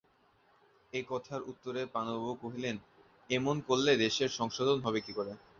এ কথার উত্তরে পানুবাবু কহিলেন, এমন করলে দেশের সংশোধন হবে কী করে?